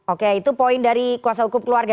oke itu poin dari kuasa hukum keluarga